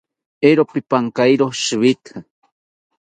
Eero pipankayiro shiwita